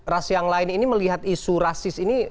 ras yang lain ini melihat isu rasis ini